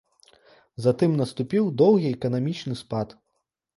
Затым наступіў доўгі эканамічны спад.